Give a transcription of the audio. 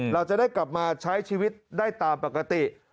เราจะได้กลับมาใช้ชีวิตได้ตามปกติ